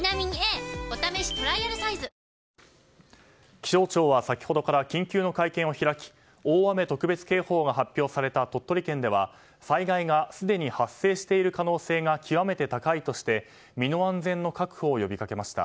気象庁は先ほどから緊急の会見を開き大雨特別警報が発表された鳥取県では災害がすでに発生している可能性が極めて高いとして身の安全の確保を呼びかけました。